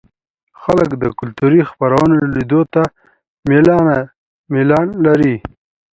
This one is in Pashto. خلک د کلتوري خپرونو لیدو ته میلان لري.